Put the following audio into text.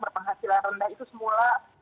berpenghasilan rendah itu semula